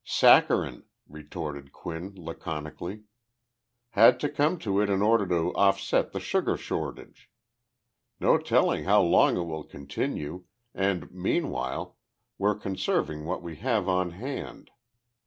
"Saccharine," retorted Quinn, laconically. "Had to come to it in order to offset the sugar shortage. No telling how long it will continue, and, meanwhile, we're conserving what we have on hand.